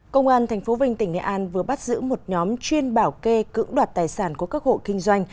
công an tp vinh tỉnh nghệ an vừa bắt giữ một nhóm chuyên bảo kê cưỡng đoạt tài sản của các hộ kinh doanh